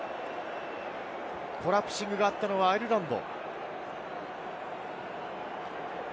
コラプシングがあったのはアイルランド。